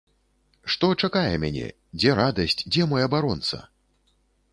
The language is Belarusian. Што чакае мяне, дзе радасць, дзе мой абаронца?